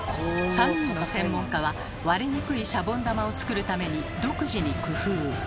３人の専門家は割れにくいシャボン玉を作るために独自に工夫。